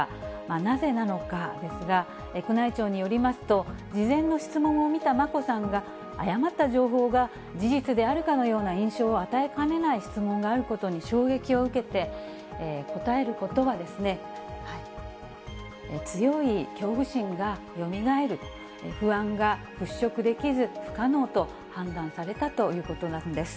なぜなのかですが、宮内庁によりますと、事前の質問を見た眞子さんが、誤った情報が事実であるかのような印象を与えかねない質問があることに衝撃を受けて、答えることは、強い恐怖心がよみがえる、不安が払拭できず、不可能と判断されたということなんです。